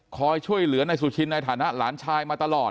คอยช่วยเหลือนายสุชินในฐานะหลานชายมาตลอด